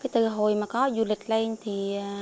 từ hồi mà có du lịch lên thì